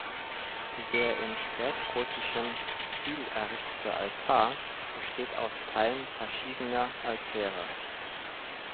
Der in spätgotischem Stil errichtete Altar besteht aus Teilen verschiedener Altäre.